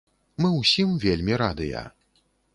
Мы ўсім вельмі радыя.